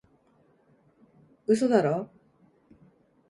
嘘だろ？